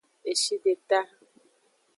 Eshideta.